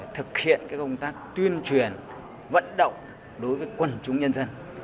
thực hiện công tác tuyên truyền vận động đối với quần chúng nhân dân